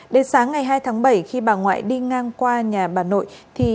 đến sáng ngày hai tháng bảy khi bà ngoại đi ngang qua nhà bà nội